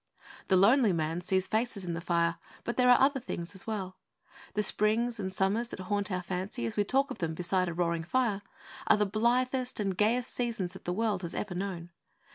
The lonely man sees faces in the fire; but there are other things as well. The springs and summers that haunt our fancy as we talk of them beside a roaring fire are the blithest and gayest seasons that the world has ever known.